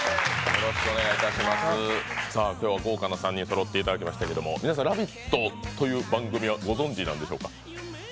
今日は豪華な３人そろっていただきましたけれども皆さん、「ラヴィット！」という番組はご存じなんでしょうか？